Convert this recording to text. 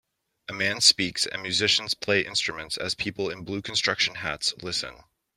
A man speaks and musicians play instruments as people in blue construction hats listen.